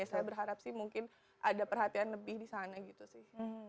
saya berharap sih mungkin ada perhatian lebih di sana gitu sih